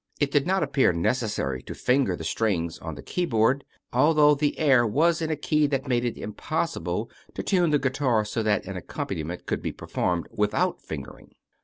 It did not appear necessary to finger the strings on the keyboard, although the air was in a key that made it impossible to tune the guitar so that an accompaniment could be performed without fingering.